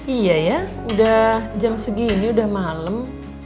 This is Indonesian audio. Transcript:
iya ya udah jam segini udah malam